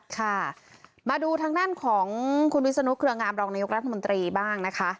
ค่ะมาดูทั้งนั้นของคุณวิสนุกเวียงอำลองนายกรัฐมนตรีบ้างนะคะ